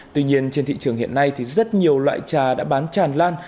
tuy nhiên trên thị trường hiện nay thì rất nhiều loại trà đã bán tràn lan